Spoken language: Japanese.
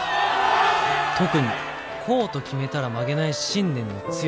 特にこうと決めたら曲げない信念の強さ。